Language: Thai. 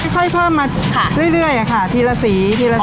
ค่อยเข้ามาเรื่อยค่ะทีละสี